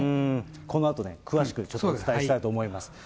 このあとね、詳しくちょっとお伝えしたいと思います。